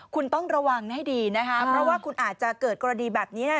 คุณต้องระวังให้ดีนะคะเพราะว่าคุณอาจจะเกิดกรณีแบบนี้ได้